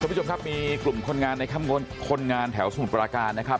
คุณผู้ชมครับมีกลุ่มคนงานในคนงานแถวสมุทรปราการนะครับ